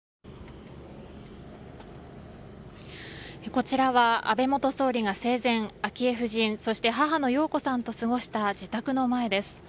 こちらは安倍元総理が生前昭恵夫人そして母の洋子さんと過ごした自宅の前です。